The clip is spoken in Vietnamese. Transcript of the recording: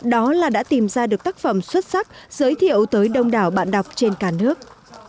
đó là đã tìm ra được tác phẩm xuất sắc giới thiệu tới đông đảo bạn đọc trên cả nước